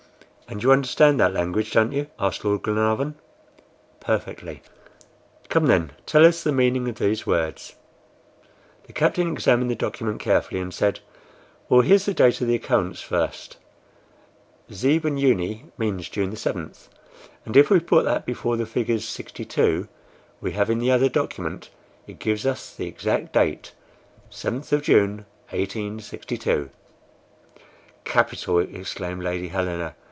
"And you understand that language, don't you?" asked Lord Glenarvan. "Perfectly." "Come, then, tell us the meaning of these words." The captain examined the document carefully, and said: "Well, here's the date of the occurrence first: 7 Juni means June 7; and if we put that before the figures 62 we have in the other document, it gives us the exact date, 7th of June, 1862." "Capital!" exclaimed Lady Helena.